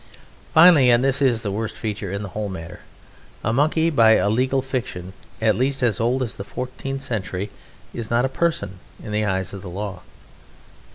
Finally and this is the worst feature in the whole matter a Monkey, by a legal fiction at least as old as the fourteenth century, is not a person in the eye of the law.